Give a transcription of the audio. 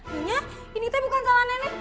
nyonya ini tuh bukan salah nenek